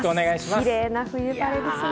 キレイな冬晴れですね。